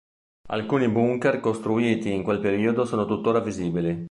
Alcuni bunker costruiti in quel periodo sono tuttora visibili.